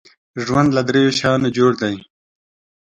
ژوند له دریو شیانو جوړ دی .